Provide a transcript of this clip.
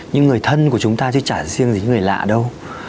những người thân của chúng ta chứ chả riêng những người lạ đâu